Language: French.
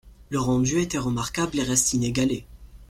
Le rendu était remarquable et reste inégalé.